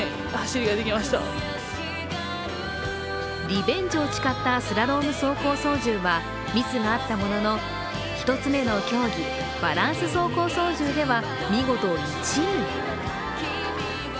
リベンジを誓ったスラローム走行操縦はミスがあったものの１つ目の競技、バランス走行操縦では見事１位。